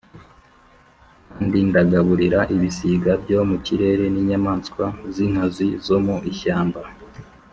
kandi ndagaburira ibisiga byo mu kirere n’inyamaswa z’inkazi zo mu ishyamba